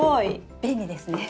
便利ですね。